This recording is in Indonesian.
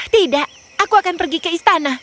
tidak aku akan pergi ke istana